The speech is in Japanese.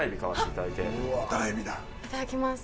いただきます。